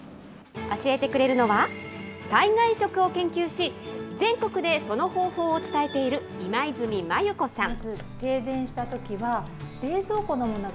教えてくれるのは、災害食を研究し、全国でその方法を伝えている今泉マユ子さん。